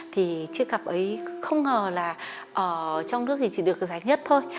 thì chiếc cặp ấy không ngờ là ở trong nước thì chỉ được giải nhất thôi